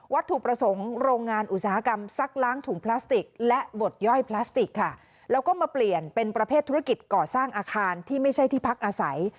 ถูกประสงค์โรงงานอุตสาหกรรมซักล้างถุงพลาสติกและบดย่อยพลาสติกค่ะแล้วก็มาเปลี่ยนเป็นประเภทธุรกิจก่อสร้างอาคารที่ไม่ใช่ที่พักอาศัย